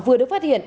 vừa được phát hiện